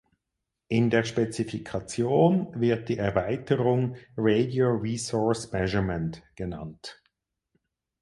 In der Spezifikation wird die Erweiterung "Radio Resource Measurement" genannt.